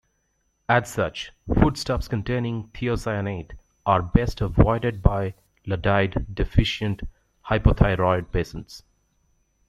As such, foodstuffs containing thiocyanate are best avoided by Iodide deficient hypothyroid patients.